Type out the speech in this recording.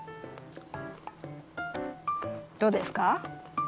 どうですか？